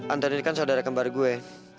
antoni kan saudara kembar gue